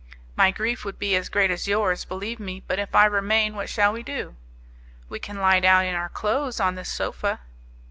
"My grief would be as great as yours, believe me, but if I remain what shall we do?" "We can lie down in our clothes on this sofa."